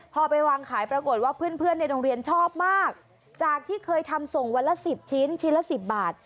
พอไปวางขายปรากฏว่าเพื่อนในโรงเรียนชอบมากจากที่เคยทำส่งวันละ๑๐ชิ้นชิ้นละ๑๐บาท